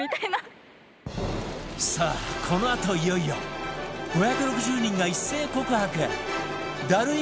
さあこのあといよいよ５６０人が一斉告白ダルい